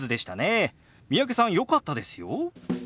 三宅さんよかったですよ。